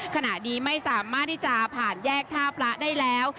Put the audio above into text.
ขณะนี้ไม่สามารถที่จะผ่านแยกท่าพระได้แล้ว